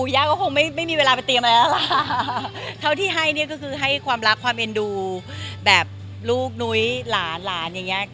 อย่างนี้ก็ให้ความรับความเอ็นดูแบบลูกหนุ้ยหลานหลานอย่างเงี้ย